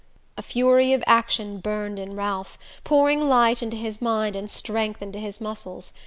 A fury of action burned in Ralph, pouring light into his mind and strength into his muscles.